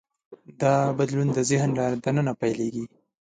دا بدلون د ذهن له دننه پیلېږي.